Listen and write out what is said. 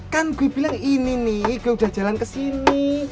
kan gue bilang ini nih gue udah jalan kesini